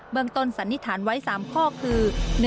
เมืองต้นสันนิษฐานไว้๓ข้อคือ